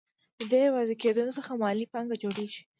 د دې یوځای کېدو څخه مالي پانګه جوړېږي